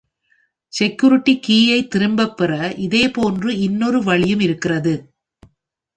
Security கீயைத் திரும்பப்பெற இதேபோன்று இன்னொரு வழியும் இருக்கிறது.